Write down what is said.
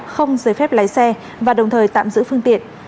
không giấy phép lái xe và đồng thời tạm giữ phương tiện